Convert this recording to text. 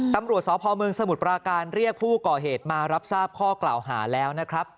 ตำรวจสพเมืองสมุทรปราการเรียกผู้ก่อเหตุมารับทราบข้อกล่าวหาแล้วนะครับ